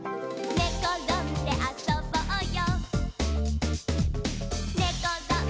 「ねころんであそぼうよ」